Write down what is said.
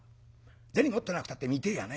銭持ってなくたって見てえやね。